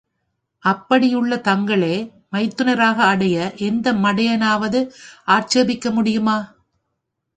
அப்படியுள்ள தங்களே மைத்துனராக அடைய எந்த மடையனாவது ஆட்சேபிக்க முடியுமா?